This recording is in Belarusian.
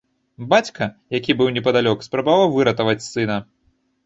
Бацька, які быў непадалёк, спрабаваў выратаваць сына.